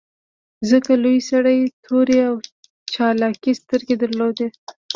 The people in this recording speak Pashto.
ځکه لوی سړي تورې او چالاکې سترګې درلودې